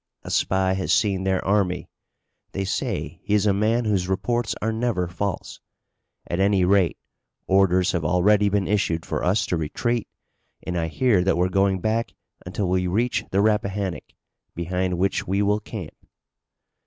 "A spy has seen their army. They say he is a man whose reports are never false. At any rate orders have already been issued for us to retreat and I hear that we're going back until we reach the Rappahannock, behind which we will camp."